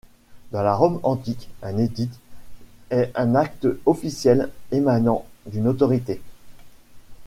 Dans la Rome antique, un édit est un acte officiel émanant d'une autorité.